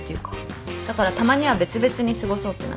だからたまには別々に過ごそうってなったんだよね。